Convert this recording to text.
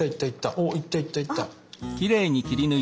おっ行った行った行った！